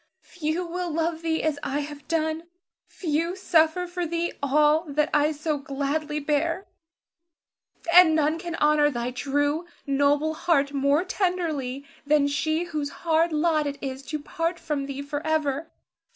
few will love thee as I have done; few suffer for thee all that I so gladly bear; and none can honor thy true, noble heart more tenderly than she whose hard lot it is to part from thee forever.